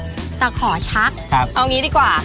นี่คือซื้อผมถูกยอมก้ายยยยยยหุ้ยยยยยเว้นทั้งนี้ดีกว่า